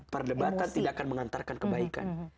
perdebatan tidak akan mengantarkan kebaikan